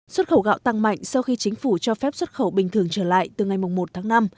xuất khẩu gạo tăng mạnh sau khi chính phủ cho phép xuất khẩu bình thường trở lại từ ngày một tháng năm